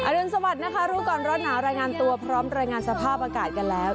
รุนสวัสดิ์นะคะรู้ก่อนร้อนหนาวรายงานตัวพร้อมรายงานสภาพอากาศกันแล้ว